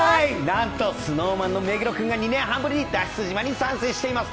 なんと、ＳｎｏｗＭａｎの目黒君が２年半ぶりに「脱出島」に参戦しています。